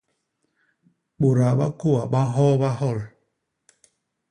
Bôdaa ba kôa ba nhooba hyol.